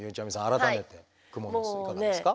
改めてクモの巣いかがですか？